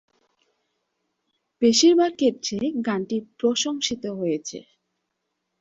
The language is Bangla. বেশিরভাগ ক্ষেত্রেই গানটি প্রশংসিত হয়েছে।